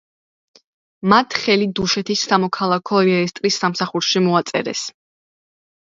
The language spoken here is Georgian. მათ ხელი დუშეთის სამოქალაქო რეესტრის სამსახურში მოაწერეს.